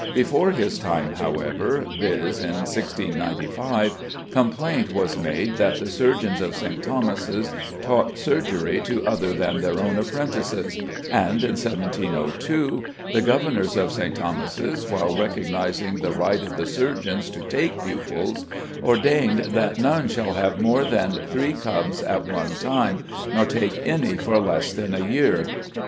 Before his time, however (viz., in 1695), complaint was made that the surgeons of St. Thomas's taught surgery to other than their own apprentices; and in 1702 the governors of St. Thomas's, while recognising the right of the surgeons to take pupils, ordained that "none shall have more than three cubbs at one time, nor take any for less than a year."